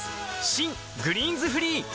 新「グリーンズフリー」